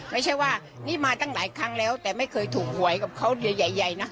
ไม่ใช่ว่านี่มาตั้งหลายครั้งแล้วแต่ไม่เคยถูกหวยกับเขาใหญ่นะ